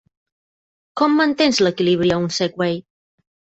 Com mantens l"equilibri a un Segway?